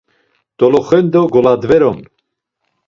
Doloxendo goladver’on.